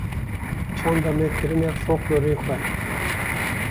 çanda me kirine foqlorên xwe.